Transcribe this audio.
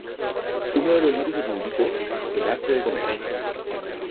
Uno de los libros que publicó "El arte de comer.